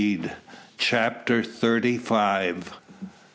CHAPTER THIRTY FIVE.